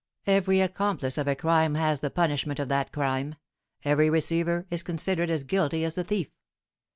Every accomplice of a crime has the punishment of that crime; every receiver is considered as guilty as the thief.